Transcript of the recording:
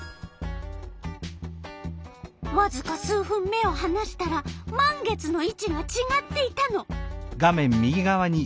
わずか数分目をはなしたら満月の位置がちがっていたの。